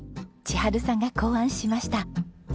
千春さんが考案しました。